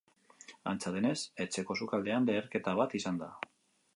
Antza denez, etxeko sukaldean leherketa bat izan da.